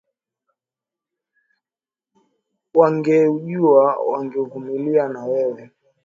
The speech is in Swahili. Wangejua wangevumilia na wewe